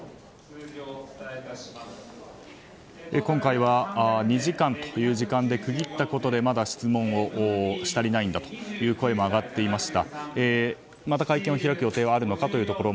今回は２時間という時間で区切ったことでまだ質問をし足りないんだという声も上がっていました。